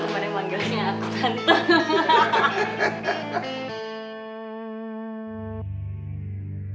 kamu ada yang manggilnya aku tante